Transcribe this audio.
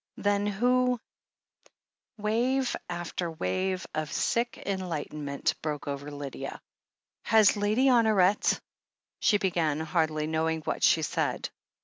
Then who ...? Wave after wave of sick enlightenment broke over Lydia. "Has Lady Honoret " she began, hardly know ing what she said.